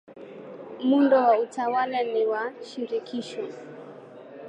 Muundo wa utawala ni wa shirikisho.